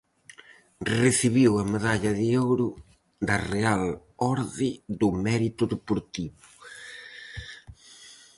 Recibiu a medalla de ouro da Real Orde do Mérito Deportivo.